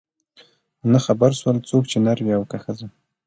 نه خبر سول څوک چي نر وې او که ښځه